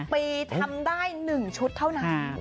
ปีทำได้๑ชุดเท่านั้น